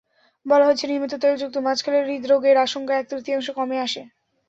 বলা হচ্ছে, নিয়মিত তেলযুক্ত মাছ খেলে হৃদ্রোগের আশঙ্কা এক-তৃতীয়াংশ কমে আসে।